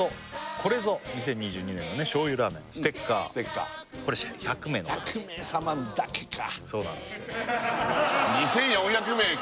これぞ２０２２年のね醤油ラーメンステッカーこれ１００名の方に１００名様だけかそうなんですそうです